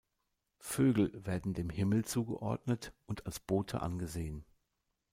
Vögel werden dem Himmel zugeordnet und als Bote angesehen.